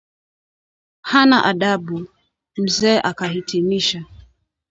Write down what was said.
Hana adabu! Mzee akahitimisha